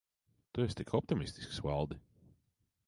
Tu esi tik optimistisks, Valdi.